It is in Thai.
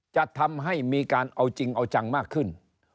จะทำให้มีการเอาจริงเอาจังมากขึ้น